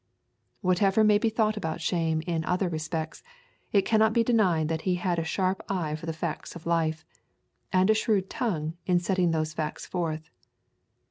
Whatever may be thought about Shame in other respects, it cannot be denied that he had a sharp eye for the facts of life, and a shrewd tongue in setting those facts forth.